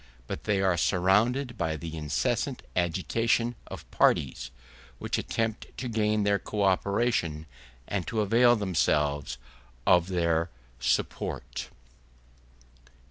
But they are surrounded by the incessant agitation of parties, which attempt to gain their co operation and to avail themselves of their support.